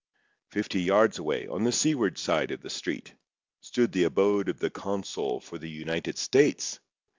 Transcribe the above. Fifty yards away, on the seaward side of the street, stood the abode of the consul for the United States.